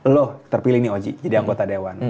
loh terpilih nih oji jadi anggota dewan